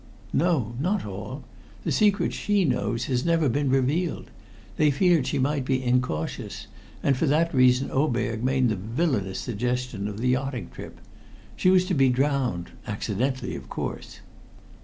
"No; not all. The secret she knows has never been revealed. They feared she might be incautious, and for that reason Oberg made the villainous suggestion of the yachting trip. She was to be drowned accidentally, of course."